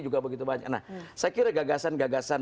juga begitu banyak nah saya kira gagasan gagasan